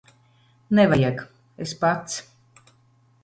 Nevajag. Es pats.